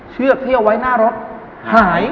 เชือกที่เอาไว้หน้ารถหาย